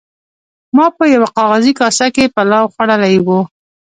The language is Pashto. ما په یوه کاغذي کاسه کې پلاو خوړلی و.